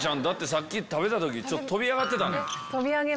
さっき食べた時飛び上がってたね。